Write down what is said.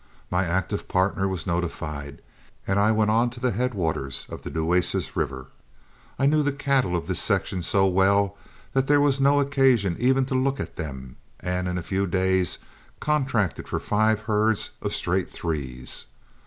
My active partner was notified, and I went on to the headwaters of the Nueces River. I knew the cattle of this section so well that there was no occasion even to look at them, and in a few days contracted for five herds of straight threes.